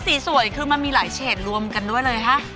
สีสวยคือมันมีหลายเฉดรวมกันด้วยเลยฮะ